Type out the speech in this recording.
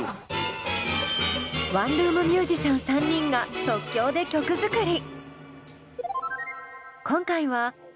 ワンルーム☆ミュージシャン３人が即興で曲作り。